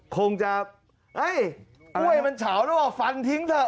คงจะเอ้ยกล้วยมันเฉาหรือเปล่าฟันทิ้งเถอะ